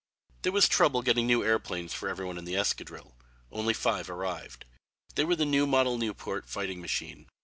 There was trouble getting new airplanes for every one in the escadrille. Only five arrived. They were the new model Nieuport fighting machine.